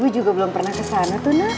aku juga belum pernah kesana tuh nak